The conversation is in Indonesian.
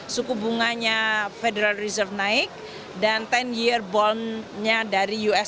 suku bunganya federal reserve naik dan sepuluh year bond nya dari us